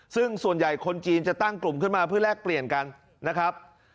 ซึ่งส่วนใหญ่คนจีนจะตั้งกลุ่มขึ้นมาเพื่อแลกเปลี่ยนกันนะครับ